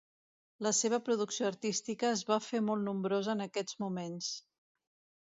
La seva producció artística es va fer molt nombrosa en aquests moments.